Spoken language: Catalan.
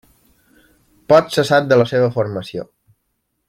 Poc se sap de la seva formació.